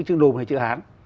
chữ đô hay chữ hán